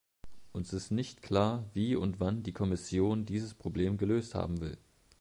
Uns ist nicht klar, wie und wann die Kommission dieses Problem gelöst haben will.